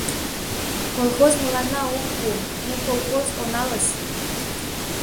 — Колхоз мыланна ок пу: ме колхоз оналыс.